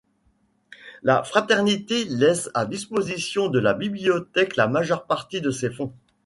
La fraternité laisse à disposition de la bibliothèque la majeure partie de ses fonds.